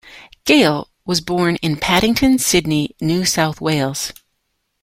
Gale was born in Paddington, Sydney, New South Wales.